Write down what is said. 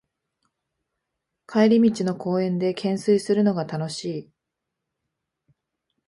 帰り道の公園でけんすいするのが楽しい